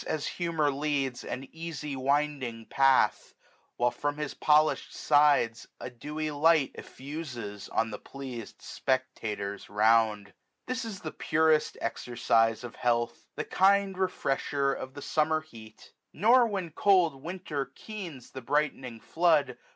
As humour leads, an easy winding path ; While, from his polished sides, a dewy light Eflfuses on the pleas'd spectators round. 1255 This is the purest exercise of health. The kind refresher of the summer heat ; SUMMER. 97 Nor, when cold Winter keens the brightening flood.